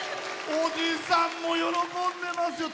おじさんも喜んでますよ！